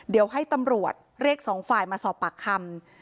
เดี๋ยวให้ตำรวจเรียกสองฝ่ายมาสอบปากคำ